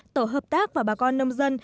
tổ hợp tác và bà con nông dân